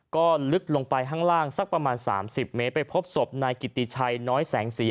ก็ลึกลงไปห้างล่างสักประมาณสามสิบเมตรไปพบสมในกิติไชน้อยแสงสี่